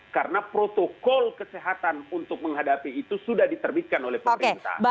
karena protokol kesehatan untuk menghadapi itu sudah diterbitkan oleh pemerintah